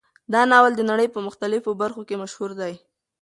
دا ناول د نړۍ په مختلفو برخو کې مشهور دی.